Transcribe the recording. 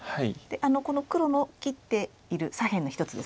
この黒の切っている左辺の１つですね。